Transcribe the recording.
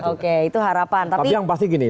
oke itu harapan tapi yang pasti gini